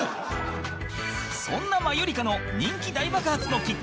そんなマユリカの人気大爆発のきっかけ